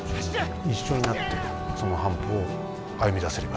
一緒になってその半歩を歩みだせればなと。